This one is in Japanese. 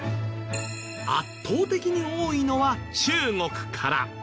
圧倒的に多いのは中国から。